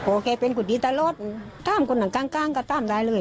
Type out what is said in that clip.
โอเคเป็นคนดินตะลดตามคนหนังกั้งก็ตามได้เลย